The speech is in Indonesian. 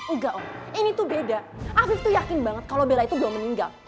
engga om ini tuh beda afif tuh yakin banget kalo bella itu belum meninggal